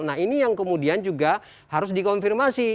nah ini yang kemudian juga harus dikonfirmasi